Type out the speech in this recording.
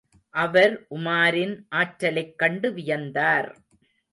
அவர் உமாரின் ஆற்றலைக் கண்டு வியந்தார்.